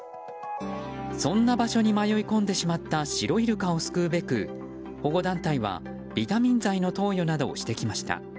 そんな場所に迷い込んでしまったシロイルカを救うべく保護団体は、ビタミン剤の投与などをしてきました。